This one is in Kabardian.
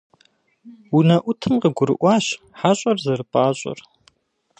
УнэӀутым къыгурыӀуащ хьэщӀэр зэрыпӀащӀэр.